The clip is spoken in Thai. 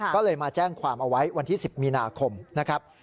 ก็เลยมาแจ้งความเอาไว้วันที่๑๐มีนาคมนะครับ